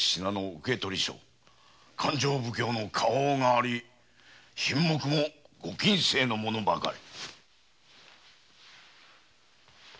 勘定奉行の「花押」があり品目もご禁制のものばかり。